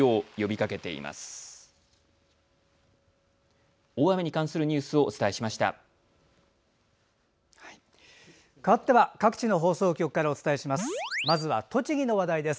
かわっては各地の放送局からお伝えします。